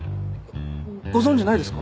ご存じないですか？